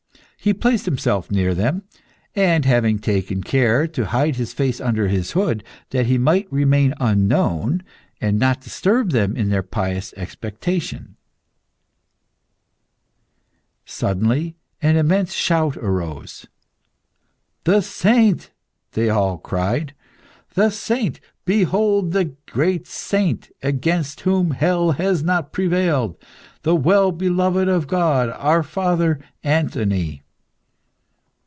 He placed himself near them, after having taken care to hide his face under his hood, that he might remain unknown, and not disturb them in their pious expectation. Suddenly, an immense shout arose "The saint!" they all cried. "The saint! Behold the great saint, against whom hell has not prevailed, the well beloved of God! Our father, Anthony!"